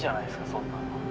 そんなの。